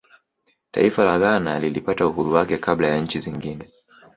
taifa la ghana lilipata uhuru wake kabla ya nchi zingine